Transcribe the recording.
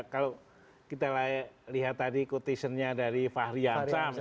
kalau kita lihat tadi quotation nya dari fahri yamsam